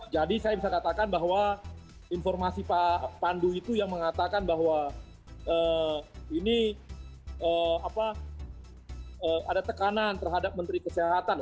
jadi saya bisa katakan bahwa informasi pak pandu itu yang mengatakan bahwa ini apa ada tekanan terhadap menteri kesehatan